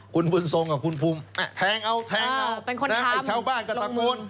คุณบุญทรงกับคุณภูมิแทงเอาแทงเอาไอ้ชาวบ้านก็ตะโกน